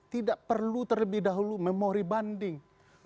tidak perlu terlebih dahulu memori banding